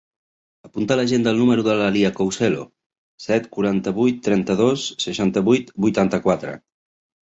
Apunta a l'agenda el número de la Lia Couselo: set, quaranta-vuit, trenta-dos, seixanta-vuit, vuitanta-quatre.